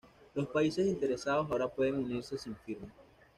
Los países interesados ahora pueden unirse sin firma.